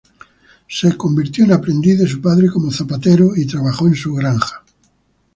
Se convirtió en aprendiz de su padre como zapatero, y trabajó en su granja.